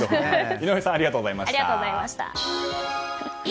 井上さんありがとうございました。